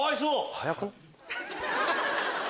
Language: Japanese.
早くない？